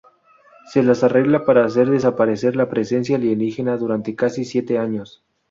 Se las arregla para hacer desaparecer la presencia alienígena durante casi siete años.